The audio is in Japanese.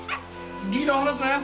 リードを離すなよ。